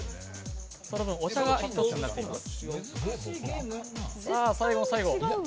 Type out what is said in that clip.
その分、お茶が１つになっています。